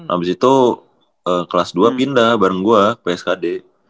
abis itu kelas dua pindah bareng gue pskd